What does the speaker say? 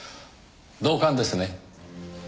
同感ですね。